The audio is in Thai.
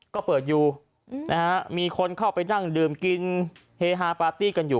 ก็เปิดอยู่นะฮะมีคนเข้าไปนั่งดื่มกินเฮฮาปาร์ตี้กันอยู่